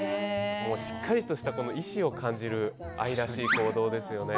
しっかりとした意志を感じる愛らしい行動ですよね。